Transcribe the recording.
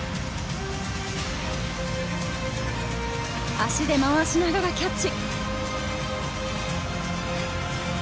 足で回しながらキャッチ。